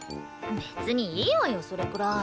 別にいいわよそれくらい。